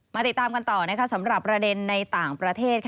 ติดตามกันต่อสำหรับประเด็นในต่างประเทศ